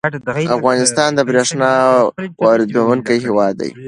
افغانستان د بریښنا واردونکی هیواد دی